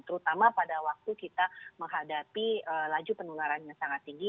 terutama pada waktu kita menghadapi laju penularan yang sangat tinggi